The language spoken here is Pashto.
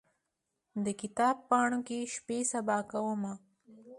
د کتاب پاڼو کې شپې سبا کومه